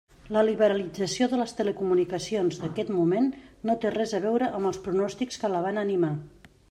La liberalització de les telecomunicacions d'aquest moment no té res a veure amb els pronòstics que la van animar.